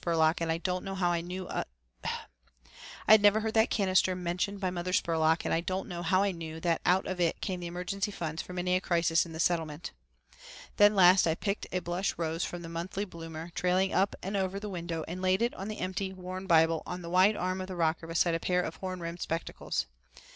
I had never heard that canister mentioned by Mother Spurlock and I don't know how I knew that out of it came the emergency funds for many a crisis in the Settlement. Then last I picked a blush rose from the monthly bloomer trailing up and over the window and laid it on the empty, worn old Bible on the wide arm of the rocker beside a pair of horn rimmed spectacles.